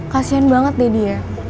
kasihan banget deh dia